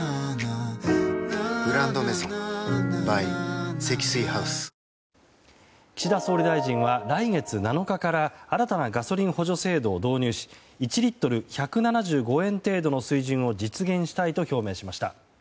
「グランドメゾン」ｂｙ 積水ハウス岸田総理大臣は来月７日から新たなガソリン補助制度を導入し１リットル１７５円程度の水準を実現したいと表明しました。